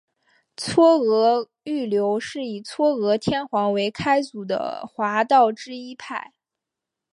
嵯峨御流是以嵯峨天皇为开祖的华道之一派。